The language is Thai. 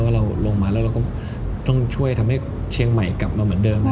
เราลงมาแล้วเราก็ต้องช่วยทำให้เชียงใหม่กลับมาเหมือนเดิม